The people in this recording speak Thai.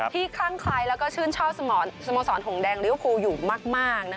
ที่คลั่งคลายและชื่นชอบสโมสรของแดงลิเวอร์ภูลอยู่มาก